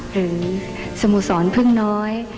หรือสมุสรพึ่งน้อย